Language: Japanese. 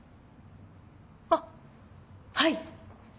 あっはい。